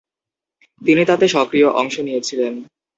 তিনি তাতে সক্রিয় অংশ নিয়েছিলেন।